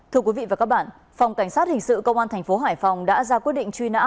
thưa quý vị và các bạn phòng cảnh sát hình sự công an thành phố hải phòng đã ra quyết định truy nã